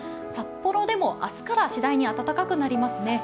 札幌でも明日から次第に暖かくなります。